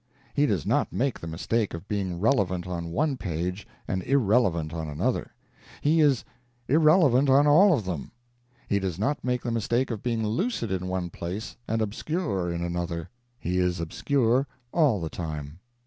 He does not make the mistake of being relevant on one page and irrelevant on another; he is irrelevant on all of them. He does not make the mistake of being lucid in one place and obscure in another; he is obscure all the time.